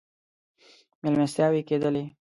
مېلمستیاوې کېدلې.